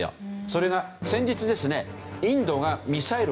それが先日ですね。